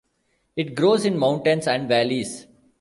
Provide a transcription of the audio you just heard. It grows in mountains and valleys.